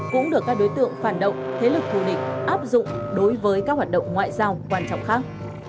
cũng được các đối tượng phản động thế lực thù địch áp dụng đối với các hoạt động ngoại giao quan trọng khác